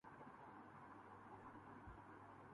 بگڑتے ہوئے حالات کو سنبھالنے کے لیے